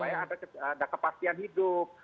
supaya ada kepastian hidup